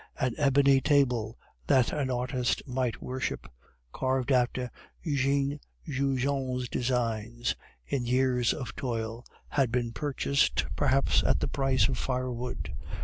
An ebony table that an artist might worship, carved after Jean Goujon's designs, in years of toil, had been purchased perhaps at the price of firewood.